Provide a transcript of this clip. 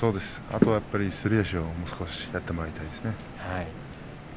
あとはやっぱりすり足をもう少しやってもらいたいですね。